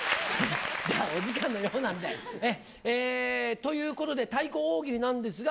じゃあ、お時間のようなんで。ということで、対抗大喜利なんですが。